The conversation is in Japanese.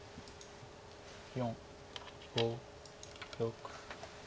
４５６。